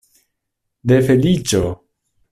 De feliĉo!